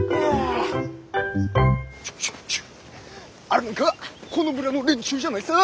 あれなんかこの村の連中じゃないさ。